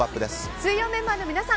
水曜メンバーの皆さん